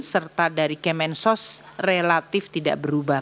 serta dari kemensos relatif tidak berubah